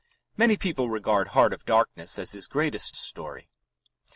Many people regard Heart of Darkness as his greatest story.